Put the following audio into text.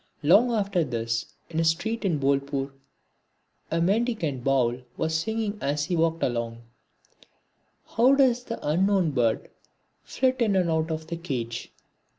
Long after this, in a street in Bolpur, a mendicant Baul was singing as he walked along: How does the unknown bird flit in and out of the cage!